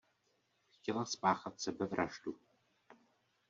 Chtěla spáchat sebevraždu.